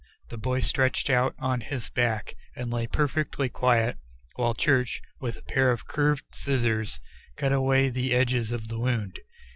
The boy stretched out on his back and lay perfectly quiet while Church, with a pair of curved scissors, cut away the edges of the wound.